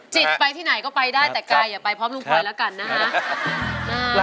จิตไปที่ไหนก็ไปได้แต่กายอย่าไปพร้อมลุงพลแล้วกันนะฮะ